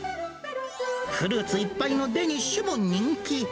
フルーツいっぱいのデニッシュも人気。